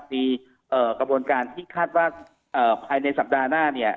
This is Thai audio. มีกระบวนการที่คาดว่าภายในสัปดาห์หน้าเนี่ย